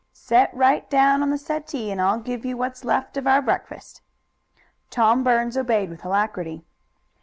"Set right down on the settee, and I'll give you what's left of our breakfast." Tom Burns obeyed with alacrity.